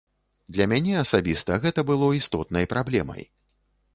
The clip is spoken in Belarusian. Для мяне асабіста гэта было істотнай праблемай.